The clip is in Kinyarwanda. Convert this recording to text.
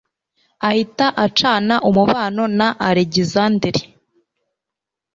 ahita acana umubano na alegisanderi